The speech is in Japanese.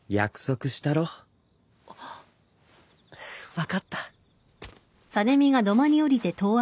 分かった。